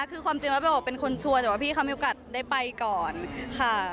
คือความจริงแล้วเบลบอกเป็นคนชัวร์แต่ว่าพี่เขามีโอกาสได้ไปก่อนค่ะ